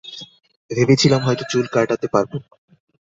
ভেবেছিলাম হয়তো চুল কাটাতে পারব।